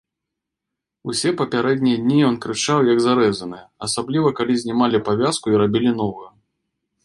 Усе папярэднія дні ён крычаў, як зарэзаны, асабліва калі знімалі павязку і рабілі новую.